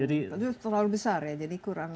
itu terlalu besar ya jadi kurang rinci ya